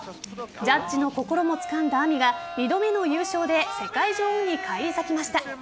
ジャッジの心もつかんだＡｍｉが２度目の優勝で世界女王に返り咲きました。